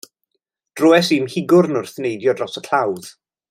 Droies i 'migwrn wrth neidio dros y clawdd.